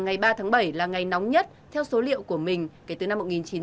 ngày ba tháng bảy là ngày nóng nhất theo số liệu của mình kể từ năm một nghìn chín trăm bảy mươi